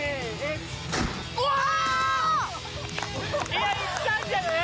いやいったんじゃない？